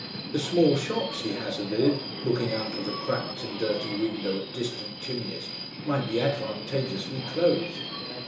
The small shops, he hazarded, looking out of the cracked and dirty window at distant chimneys, might be advantageously closed....